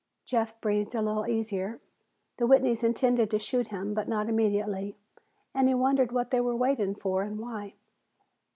Jeff breathed a little easier. The Whitneys intended to shoot him, but not immediately and he wondered what they were waiting for and why.